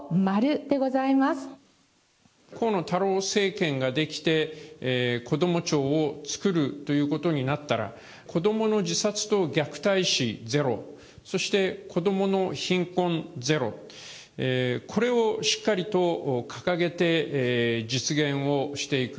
〇、河野太郎政権が出来て、こども庁を作るということになったら、子どもの自殺と虐待死ゼロ、そして、子どもの貧困ゼロ、これをしっかりと掲げて実現をしていく。